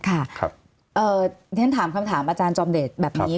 ที่ท่านถามคำถามอาจารย์จอมเดชน์แบบนี้